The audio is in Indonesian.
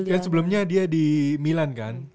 kan sebelumnya dia di milan kan